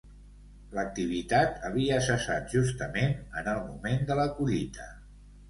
L'activitat havia cessat justament en el moment de la collita.